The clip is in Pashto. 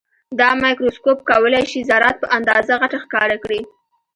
دا مایکروسکوپ کولای شي ذرات په اندازه غټ ښکاره کړي.